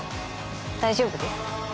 大丈夫です。